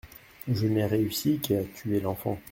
Je n'ai réussi qu'à tuer l'enfant.